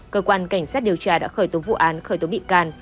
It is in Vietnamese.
cơ quan cảnh sát điều tra đã khởi tố vụ án khởi tố bị can